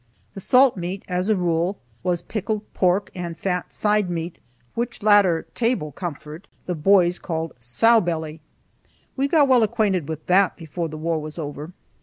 The salt meat, as a rule, was pickled pork and fat side meat, which latter "table comfort" the boys called "sow belly." We got well acquainted with that before the war was over.